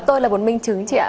và tôi là một minh chứng chị ạ